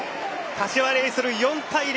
柏レイソル、４対０。